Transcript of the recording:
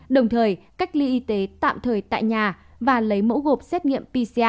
đồng thời cách ly y tế tạm thời tại nhà và lấy mẫu gộp xét nghiệm pcr